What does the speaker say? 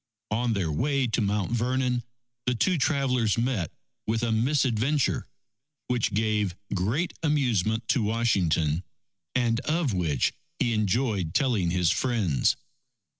On their way to Mount Vernon, the two travellers met with a misadventure, which gave great amusement to Washington, and of which he enjoyed telling his friends.